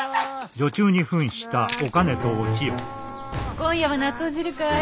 今夜は納豆汁かい。